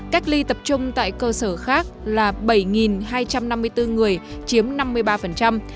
cách ly tập trung tại cơ sở khác là bảy hai trăm năm mươi bốn người chiếm năm mươi ba